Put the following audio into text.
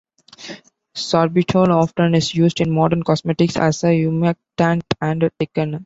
Sorbitol often is used in modern cosmetics as a humectant and thickener.